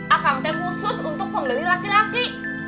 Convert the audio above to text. akan teh khusus untuk pembeli laki laki